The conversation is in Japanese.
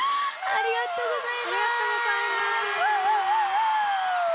ありがとうございます。